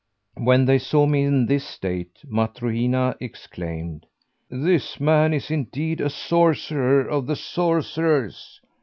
When they saw me in this state Matrohina exclaimed, 'This man is indeed a sorcerer of the sorcerers!'